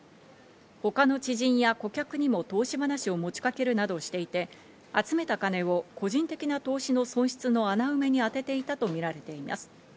他の知人や顧客にも投資話を持ちかけるなどしていて、集めた金を個人的な投資の損失の穴埋めにあてていたとみられています。